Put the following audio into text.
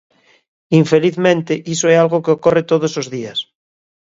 Infelizmente iso é algo que ocorre todos os días.